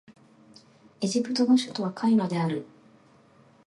エジプトの首都はカイロである